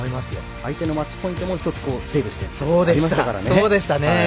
相手のマッチポイントも一つ、セーブしてというのがありましたからね。